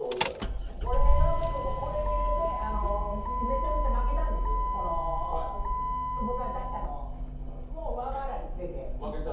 これでめちゃめちゃ負けたんです、僕が出したのを上回られて。